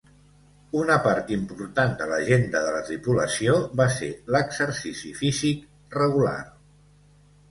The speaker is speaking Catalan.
Una part important de l'agenda de la tripulació va ser l'exercici físic regular.